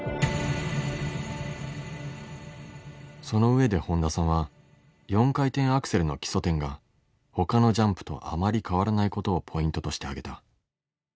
その上で本田さんは４回転アクセルの基礎点がほかのジャンプとあまり変わらないことをポイントとしてあげた。